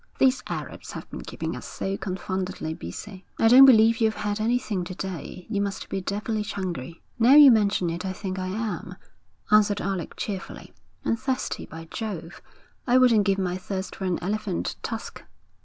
These Arabs have been keeping us so confoundedly busy.' 'I don't believe you've had anything to day. You must be devilish hungry.' 'Now you mention it, I think I am,' answered Alec, cheerfully. 'And thirsty, by Jove! I wouldn't give my thirst for an elephant tusk.'